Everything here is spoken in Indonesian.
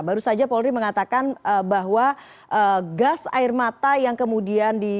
baru saja polri mengatakan bahwa gas air mata yang kemudian di